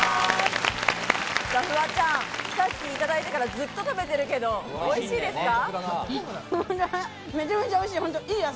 フワちゃん、さっきいただいてからずっと食べてるけど、おいしいですか？